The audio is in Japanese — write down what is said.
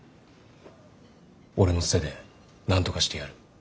俺のツテでなんとかしてやる。